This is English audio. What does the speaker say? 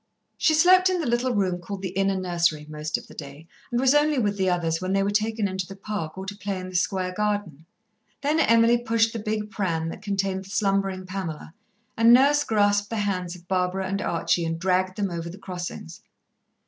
She slept in the little room called the inner nursery, most of the day, and was only with the others when they were taken into the Park or to play in the square garden. Then Emily pushed the big pram that contained the slumbering Pamela, and Nurse grasped the hands of Barbara and Archie and dragged them over the crossings.